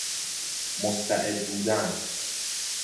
مستعد بودن